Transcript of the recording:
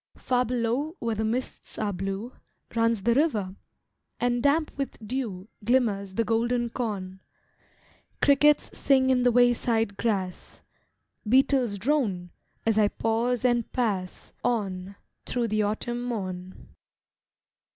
Far below where the mists are blue Runs the river, and damp with dew Glimmers the golden corn, Crickets sing in the wayside grass, Beetles drone, as I pause and pass On thro' the Autumn morn.